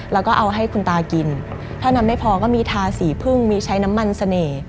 แล้วก็เอาให้คุณตากินถ้านำไม่พอก็มีทาสีพึ่งมีใช้น้ำมันเสน่ห์